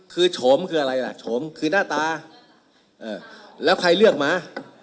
คือโฉมคืออะไรล่ะโฉมคือหน้าตาแล้วใครเลือกมา